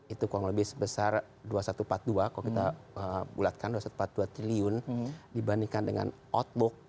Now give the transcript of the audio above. itu kurang lebih sebesar dua satu ratus empat puluh dua triliun dibandingkan dengan outbook